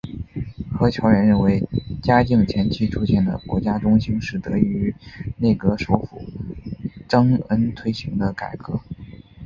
何乔远认为嘉靖前期出现的国家中兴是得益于内阁首辅张璁推行的改革。